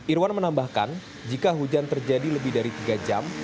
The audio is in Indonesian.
irwan menambahkan jika hujan terjadi lebih dari tiga jam